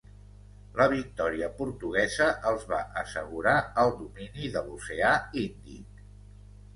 La victòria portuguesa els va assegurar el domini de l'oceà Índic.